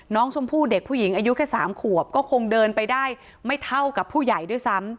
น้องชมพู่เด็กผู้หญิงอายุแค่๓ขวบก็คงเดินไปได้ไม่เท่ากับผู้ใหญ่ด้วยซ้ำ